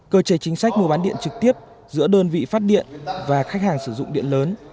cơ chế chính sách mua bán điện trực tiếp giữa đơn vị phát điện và khách hàng sử dụng điện lớn